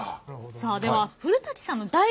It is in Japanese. さあでは古さんの大学。